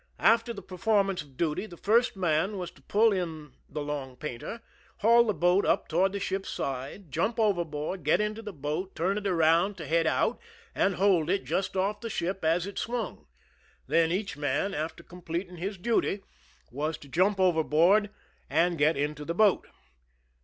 After the performance of duty the first man was to pull in the long painter, haul the boat up toward the ship's side, jump overboard, get into the boat, turn it around to head out, and hold it just off the ship as it swung; then each man, after completing his duty, was to jump overboard and get into the boat.